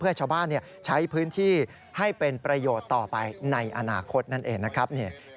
ให้ชาวบ้านใช้พื้นที่ให้เป็นประโยชน์ต่อไปในอนาคตนั่นเองนะครับ